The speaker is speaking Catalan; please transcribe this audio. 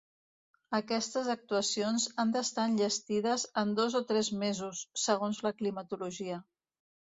Aquestes actuacions han d’estar enllestides en dos o tres mesos, segons la climatologia.